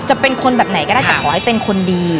จะเป็นคนแบบไหนก็ได้แต่ขอให้เป็นคนดี